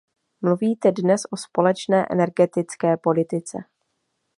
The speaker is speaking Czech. Mluvíte dnes o společné energetické politice.